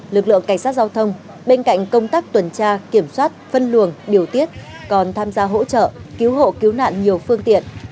lực lượng cảnh sát giao thông bên cạnh công tác tuần tra kiểm soát phân luồng điều tiết còn tham gia hỗ trợ cứu hộ cứu nạn nhiều phương tiện